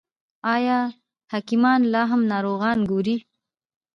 آیا حکیمان لا هم ناروغان ګوري؟